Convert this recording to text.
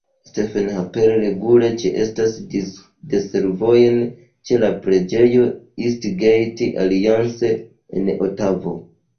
Stephen Harper regule ĉeestas diservojn ĉe la preĝejo East Gate Alliance en Otavo.